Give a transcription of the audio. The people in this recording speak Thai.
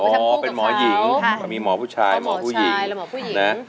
หมอเป็นหมอหญิงมีหมอผู้ชายหมอผู้หญิงหมอผู้หญิงนะ